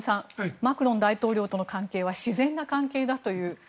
マクロン大統領との関係は自然な関係だという。